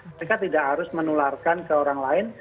mereka tidak harus menularkan ke orang lain